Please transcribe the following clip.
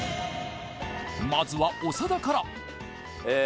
まずは長田からえー